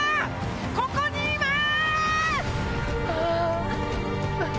ここにいます‼